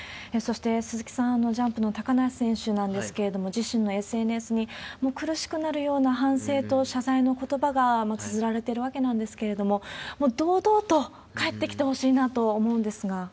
そして、鈴木さん、ジャンプの高梨選手なんですけれども、自身のＳＮＳに、もうもう苦しくなるような反省と謝罪のことばがつづられてるわけなんですけれども、もう堂々と帰ってきてほしいなと思うんですが。